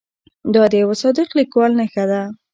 دا د یوه صادق لیکوال نښه ده.